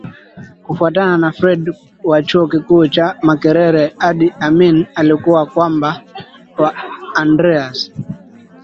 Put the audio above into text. Kufuatana na Fred wa Chuo Kikuu cha Makerere Idi Amin alikuwa mwana wa Andreas